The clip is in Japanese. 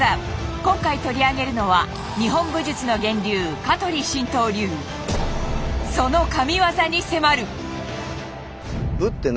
今回取り上げるのは日本武術の源流そのＫＡＭＩＷＡＺＡに迫る！